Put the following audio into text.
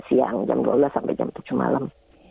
siang jam dua belas sampai jam tujuh malam